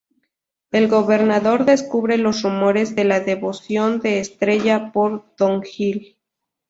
El gobernador descubre los rumores de la devoción de Estrella por Don Gil.